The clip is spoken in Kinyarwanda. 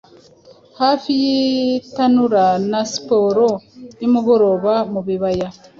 Hafi y'itanura na siporo nimugoroba mubibaya.